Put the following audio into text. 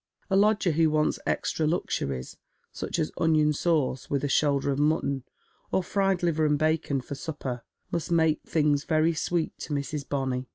A lodger who wants extra luxuries, such as onion sauce with a shoulder of mutton, or fried liver and bacon for supper, must make things very sweet to Mrs. Bonny.